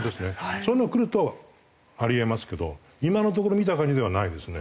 そういうのがくるとあり得ますけど今のところ見た感じではないですね。